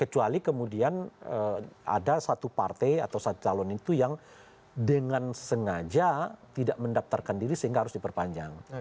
kecuali kemudian ada satu partai atau satu calon itu yang dengan sengaja tidak mendaftarkan diri sehingga harus diperpanjang